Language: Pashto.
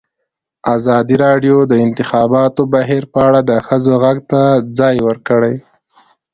ازادي راډیو د د انتخاباتو بهیر په اړه د ښځو غږ ته ځای ورکړی.